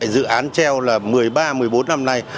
dự án treo là một mươi ba một mươi bốn năm nay